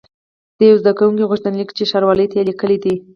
د یوه زده کوونکي غوښتنلیک چې ښاروالۍ ته یې لیکلی دی.